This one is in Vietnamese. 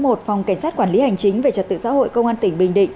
một phòng cảnh sát quản lý hành chính về trật tự xã hội công an tp bình định